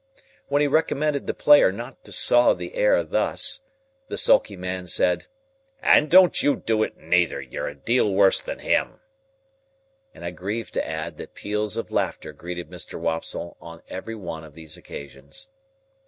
When he recommended the player not to saw the air thus, the sulky man said, "And don't you do it, neither; you're a deal worse than him!" And I grieve to add that peals of laughter greeted Mr. Wopsle on every one of these occasions.